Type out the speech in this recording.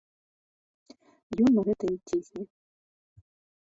Ён на гэта і цісне.